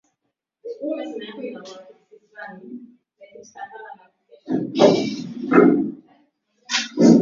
Mgombea huyo mwenye umri wa miaka arubaini na ine, baadae alijitokeza kutawanya umati uliokuwa ukimsubiri